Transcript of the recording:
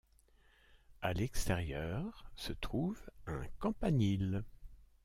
À l'extérieur se trouve un campanile.